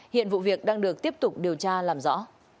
hiện vụ việc đang được tiếp tục điều tra làm rõ